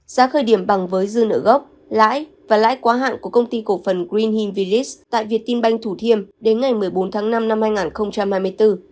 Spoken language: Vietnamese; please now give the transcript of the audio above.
giá khởi điểm bằng với dư nợ gốc lãi và lãi quá hạn của công ty cổ phần green hing vlis tại việt tim banh thủ thiêm đến ngày một mươi bốn tháng năm năm hai nghìn hai mươi bốn